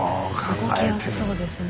動きやすそうですね。